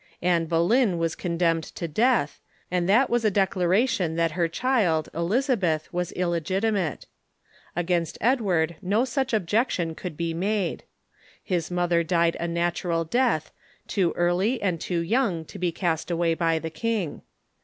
Anne Boleyn was condemned to death, and that was a declaration that her child, Elizabeth, was illegiti mate. Against Edward no such objection could be made. His mother died a natural death, too early and too young to be cast away by the king.